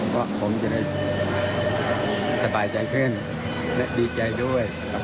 เพราะผมจะได้สบายใจขึ้นและดีใจด้วยครับ